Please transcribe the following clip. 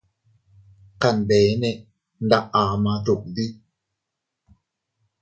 Kanbeene nda ama duddi.